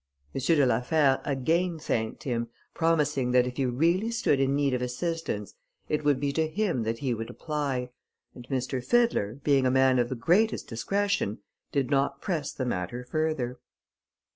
M. de la Fère again thanked him, promising that if he really stood in need of assistance, it would be to him that he would apply; and M. Fiddler, being a man of the greatest discretion, did not press the matter further.